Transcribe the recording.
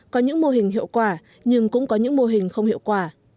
có những mô hình hiệu quả nhưng cũng có những mô hình không hiệu quả